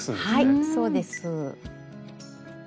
はいそうです。